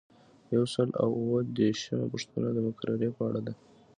یو سل او اووه دیرشمه پوښتنه د مقررې په اړه ده.